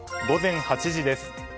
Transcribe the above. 午前８時です。